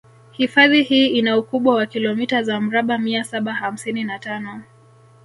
Hifadhi hii ina ukubwa wa kilomita za mraba mia saba hamsini na tano